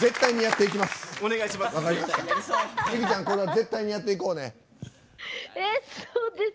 絶対にやっていきます。